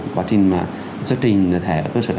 quá trình xuất trình thẻ tương sở